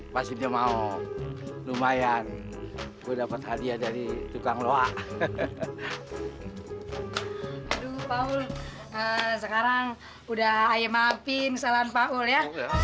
pasti dia mau lumayan gue dapat hadiah dari tukang loa sekarang udah ayem api misalnya